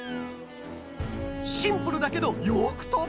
シンプルだけどよくとぶ！